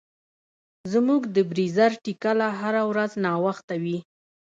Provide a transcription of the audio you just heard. زموږ د بریځر ټکله هره ورځ ناوخته وي.